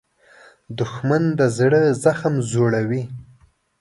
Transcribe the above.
دښمن د زړه زخم زوړوي